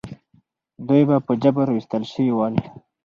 دوی په جبر ویستل شوي ول.